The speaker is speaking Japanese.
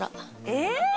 えっ！